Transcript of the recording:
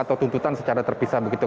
atau tuntutan secara terpisah begitu